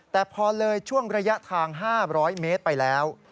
แต่พอเลยช่วงระยะทาง๕๐๐เมตรไปแล้ว